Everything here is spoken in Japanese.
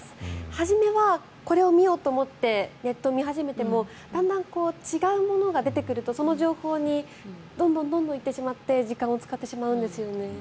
初めはこれを見ようと思ってネットを見始めてもだんだん違うものが出てくるとその情報にどんどん行ってしまって時間を使ってしまうんですよね。